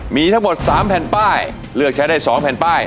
มีทั้งหมด๓แผ่นป้ายเลือกใช้ได้๒แผ่นป้าย